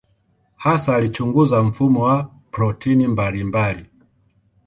Hasa alichunguza mfumo wa protini mbalimbali.